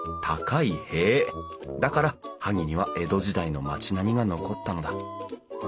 だから萩には江戸時代の町並みが残ったのだ。